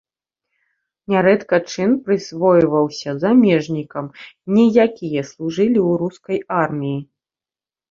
Нярэдка чын прысвойваўся замежнікам, не якія служылі ў рускай арміі.